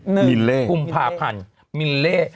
หนึ่งมิลเลคุมภาพันธ์มิลเล